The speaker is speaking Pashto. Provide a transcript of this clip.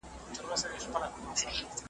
زه پسونه غواوي نه سمه زغملای ,